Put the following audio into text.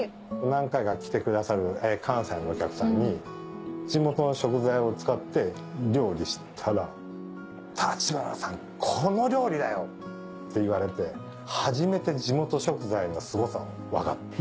何回か来てくださる関西のお客さんに地元の食材を使って料理したら「立花さんこの料理だよ」って言われて初めて地元食材のすごさを分かった。